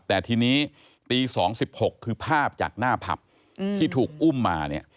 แต่ทีนี้ตี๒๑๖คือภาพจากหน้าผับที่ถูกอุ้มมาเนี่ย